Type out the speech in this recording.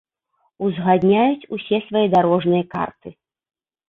Узгадняюць усе свае дарожныя карты.